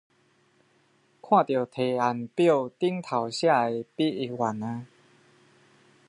看到提案表上寫的筆譯員了